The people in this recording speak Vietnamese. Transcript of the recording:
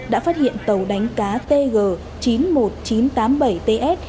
đã phát hiện tàu đánh cá tg chín mươi một nghìn chín trăm tám mươi bảy ts